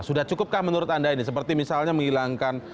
sudah cukupkah menurut anda ini seperti misalnya menghilangkan